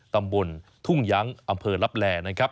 ตำบลทุ่งยังอำเภอลับแหล